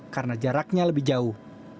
karena jaraknya lebih jauh